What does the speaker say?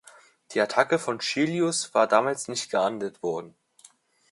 Die Attacke von Chelios war damals nicht geahndet worden.